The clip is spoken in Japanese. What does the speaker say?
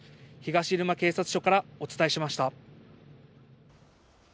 東入間警察署からお伝えしました。